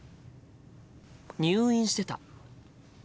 入院してた。